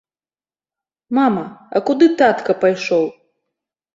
Мама, а куды татка пайшоў?